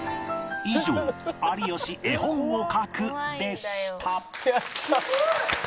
以上有吉絵本を描くでした